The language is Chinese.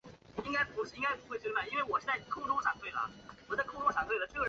让人民群众感受到司法办案的理性平和、客观公正